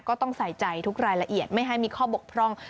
ก็ต้องใส่ใจทุกรายละเอียดไม่ให้มีข้อบกพร่อง